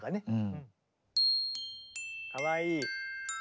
かわいい。